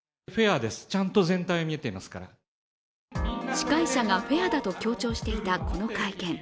司会者がフェアだと強調していたこの会見。